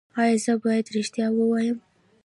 ایا زه باید ریښتیا ووایم؟